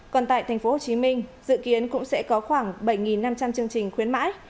còn tại tp hcm dự kiến cũng sẽ có khoảng bảy năm trăm linh chương trình khuyến mãi